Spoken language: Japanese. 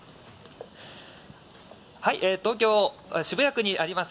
東京・渋谷区にあります